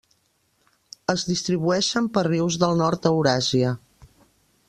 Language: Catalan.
Es distribueixen per rius del nord d'Euràsia.